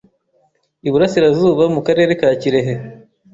I burasirazuba mu karere ka kirehe